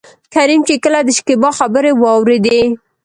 کريم چې کله دشکيبا خبرې واورېدې.